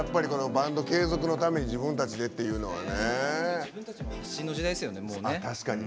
バンド継続のために自分たちでっていうのはね。